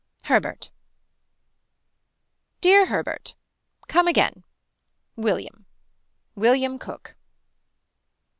Herbert. Dear Herbert. Come again. William. William Cook.